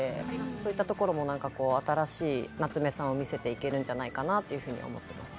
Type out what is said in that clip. そういったところも新しい夏梅さんを見せていけるんじゃないかなと思ってます。